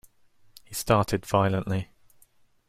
He started violently.